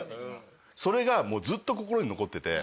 それがずっと心に残ってて。